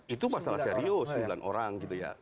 itu masalah serius sembilan orang gitu ya